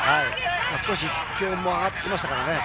気温も上がってきましたからね。